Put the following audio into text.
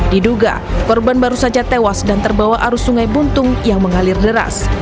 diduga korban baru saja tewas dan terbawa arus sungai buntung yang mengalir deras